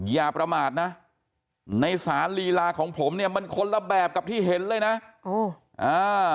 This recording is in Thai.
อย่าประมาทนะในสารลีลาของผมเนี่ยมันคนละแบบกับที่เห็นเลยนะโอ้อ่า